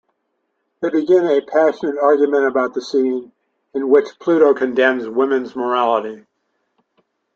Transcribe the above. They begin a passionate argument about the scene, in which Pluto condemns women's morality.